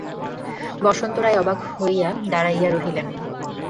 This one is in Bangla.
বসন্ত রায় অবাক হইয়া দাঁড়াইয়া রহিলেন।